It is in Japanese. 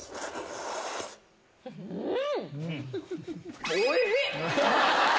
うん！